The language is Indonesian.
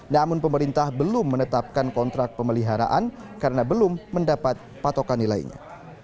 namun pemerintah belum menetapkan kontrak pemeliharaan karena belum mendapat patokan nilainya